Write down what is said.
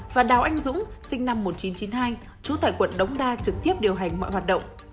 và đào anh dũng sinh năm một nghìn chín trăm chín mươi hai trú tại quận đống đa trực tiếp điều hành mọi hoạt động